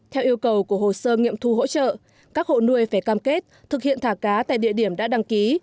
theo yêu cầu của hồ sơ nghiệm thu hỗ trợ các hộ nuôi phải cam kết thực hiện thả cá tại địa điểm đã đăng ký